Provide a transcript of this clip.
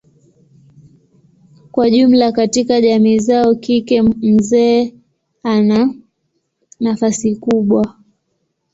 Kwa jumla katika jamii zao kike mzee ana nafasi kubwa.